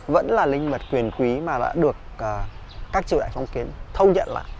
vẫn là linh vật quyền quý mà đã được các triều đại phong kiến thâu nhận lại